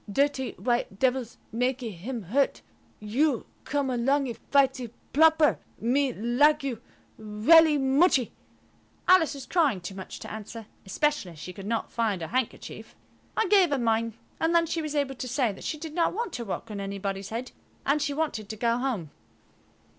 Dirty white devils makee him hurt. You come alongee fightee ploper. Me likee you welly muchee." Alice was crying too much to answer, especially as she could not find her handkerchief. I gave her mine, and then she was able to say that she did not want to walk on anybody's head, and she wanted to go home.